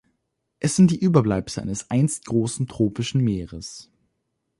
Es sind die Überbleibsel eines einst großen tropischen Meeres.